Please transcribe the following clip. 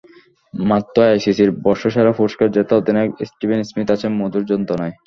মাত্রই আইসিসির বর্ষসেরা পুরস্কার জেতা অধিনায়ক স্টিভেন স্মিথ আছেন মধুর যন্ত্রণায়।